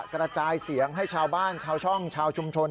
กระจายเสียงให้ชาวบ้านชาวช่องชาวชุมชน